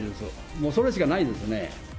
もうそれしかないですよね。